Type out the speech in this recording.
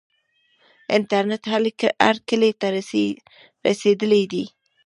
انټرنیټ هر کلي ته رسیدلی دی.